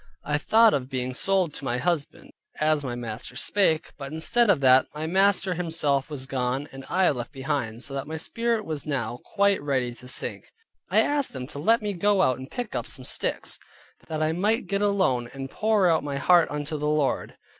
I thought of being sold to my husband, as my master spake, but instead of that, my master himself was gone, and I left behind, so that my spirit was now quite ready to sink. I asked them to let me go out and pick up some sticks, that I might get alone, and pour out my heart unto the Lord.